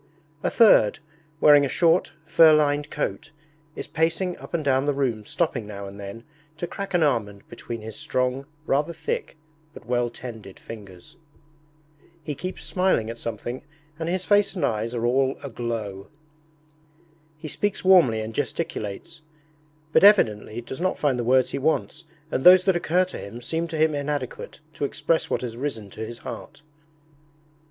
A third, wearing a short, fur lined coat, is pacing up and down the room stopping now and then to crack an almond between his strong, rather thick, but well tended fingers. He keeps smiling at something and his face and eyes are all aglow. He speaks warmly and gesticulates, but evidently does not find the words he wants and those that occur to him seem to him inadequate to express what has risen to his heart.